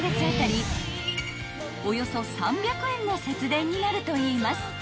およそ３００円の節電になるといいます］